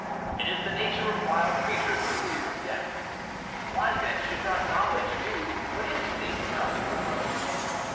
"It is the nature of wild creatures to flee from death. Why, then, should not knowledge do what instinct does?"